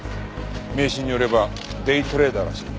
名刺によればデイトレーダーらしい。